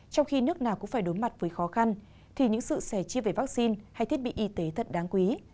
trong khi nước nào cũng phải đối mặt với khó khăn thì những sự sẻ chia về vaccine hay thiết bị y tế thật đáng quý